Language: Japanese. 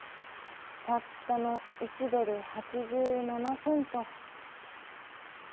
たったの１ドル８７セント。